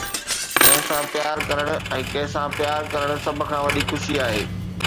ڪنهن سان پيار ڪرڻ ۽ ڪنهن سان پيار ڪرڻ سڀ کان وڏي خوشي آهي.